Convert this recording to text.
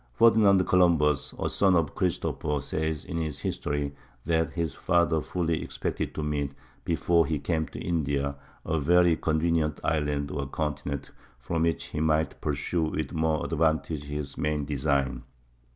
Ferdinand Columbus, a son of Christopher, says in his "History" that his father fully expected to meet, "before he came to India, a very convenient island or continent from which he might pursue with more advantage his main design."